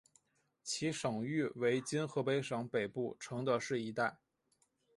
其省域为今河北省北部承德市一带。